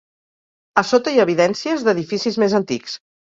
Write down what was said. A sota hi ha evidències d'edificis més antics.